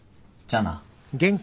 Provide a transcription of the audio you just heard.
じゃあな。え？